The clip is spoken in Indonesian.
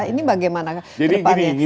ini bagaimana ke depannya